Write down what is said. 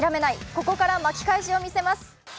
ここから巻き返しを見せます。